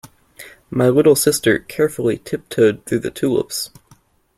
My little sister carefully tiptoed through the tulips.